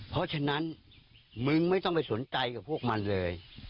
เพราะฉะนั้นมึงไม่ต้องไปสนใจกับพวกมันเลย